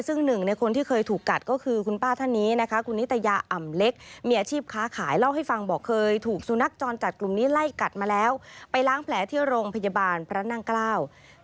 ซึ่งหนึ่งในคนที่เกิดถูกกัดก็คือคุณป้าท่านนี้นะค่ะ